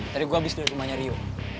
tadi gue habis dulu rumahnya rio